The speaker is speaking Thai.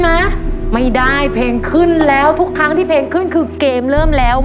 นะไม่ได้เพลงขึ้นแล้วทุกครั้งที่เพลงขึ้นคือเกมเริ่มแล้ว